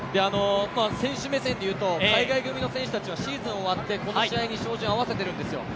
選手目線でいうと海外組の選手たちは、シーズン終わってこの試合に照準を合わせているんですよ。